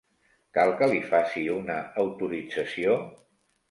Cal que li faci una autorització?